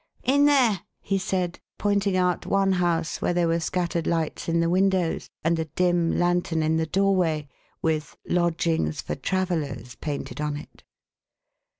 "In there!" he said, pointing out one house where there were scattered lights in the windows, and a dim lantern in the doorway, with "Lodgings for Travellers" painted on it.